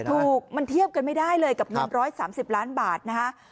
ถูกมันเทียบกันไม่ได้เลยกับเงิน๑๓๐ล้านบาทนะฮะ